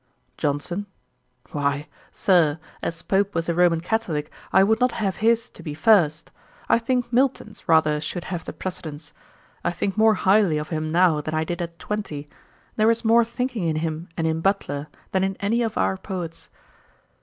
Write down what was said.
JOHNSON. 'Why, Sir, as Pope was a Roman Catholick, I would not have his to be first. I think Milton's rather should have the precedence. I think more highly of him now than I did at twenty. There is more thinking in him and in Butler, than in any of our poets.'